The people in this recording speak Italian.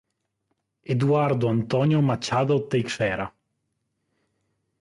Eduardo Antônio Machado Teixeira